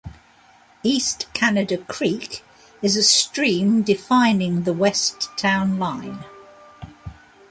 East Canada Creek is a stream defining the west town line.